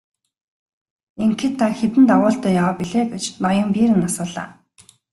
Ингэхэд та хэдэн дагуултай яваа билээ гэж ноён Берн асуулаа.